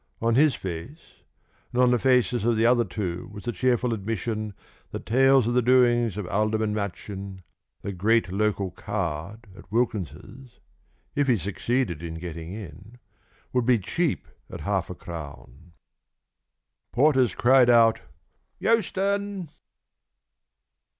On his face and on the faces of the other two was the cheerful admission that tales of the doings of Alderman Machin, the great local card, at Wilkins's if he succeeded in getting in would be cheap at half a crown. Porters cried out "Euston!"